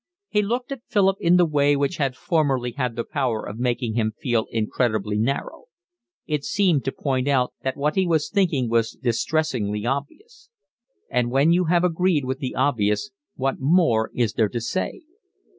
He looked at Philip in the way which had formerly had the power of making him feel incredibly narrow. It seemed to point out that what he was thinking was distressingly obvious; and when you have agreed with the obvious what more is there to say?